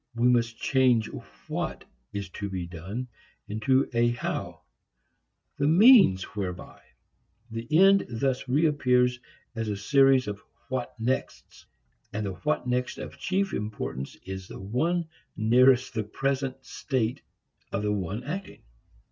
We must change what is to be done into a how, the means whereby. The end thus re appears as a series of "what nexts," and the what next of chief importance is the one nearest the present state of the one acting.